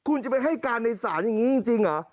คุณจะไปให้การในศาลอย่างนี้จริงเหรอ